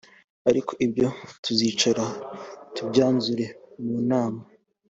ariko ibyo tuzicara tubyanzure mu nama